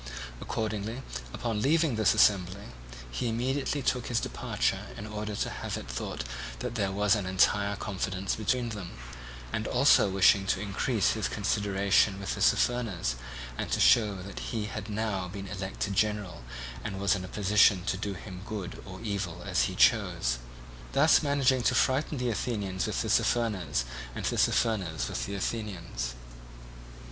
Accordingly, upon leaving this assembly, he immediately took his departure in order to have it thought that there was an entire confidence between them, and also wishing to increase his consideration with Tissaphernes, and to show that he had now been elected general and was in a position to do him good or evil as he chose; thus managing to frighten the Athenians with Tissaphernes and Tissaphernes with the Athenians.